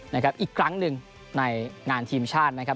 อีกครั้งหนึ่งในงานทีมชาตินะครับ